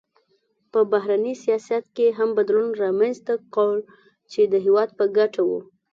په بهرني سیاست کې هم بدلون رامنځته کړ چې د هېواد په ګټه و.